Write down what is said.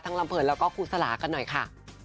ทั้งรามเผินแล้วก็ครูศระกันหน่อยค่ะ